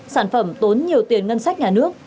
sản phẩm tốn nhiều tiền ngân sách nhà nước